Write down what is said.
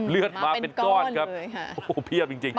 เลือดมาเป็นก้อนครับมาเป็นก้อนเลยโอ้โฮเพียบจริง